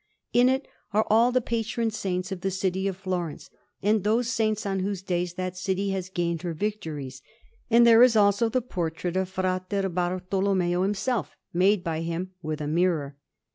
In it are all the Patron Saints of the city of Florence, and those saints on whose days that city has gained her victories; and there is also the portrait of Fra Bartolommeo himself, made by him with a mirror.